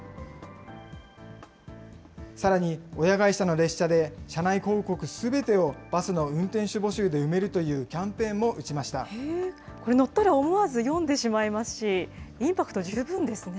さらに親会社の列車で車内広告すべてをバスの運転手募集で埋めるこれ、乗ったら思わず読んでしまいますし、インパクト十分ですね。